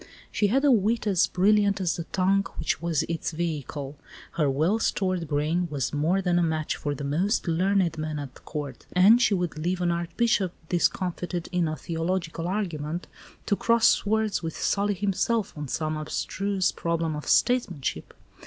She had a wit as brilliant as the tongue which was its vehicle; her well stored brain was more than a match for the most learned men at Court, and she would leave an archbishop discomfited in a theological argument, to cross swords with Sully himself on some abstruse problem of statesmanship.